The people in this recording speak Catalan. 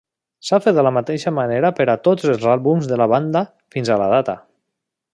S'ha fet de la mateixa manera per a tots els àlbums de la banda fins a la data.